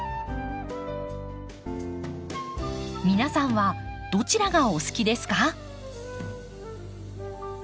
皆さんはどちらがお好きですか？